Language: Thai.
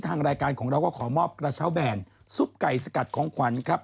ทางรายการของเราก็ขอมอบกระเช้าแบนซุปไก่สกัดของขวัญครับ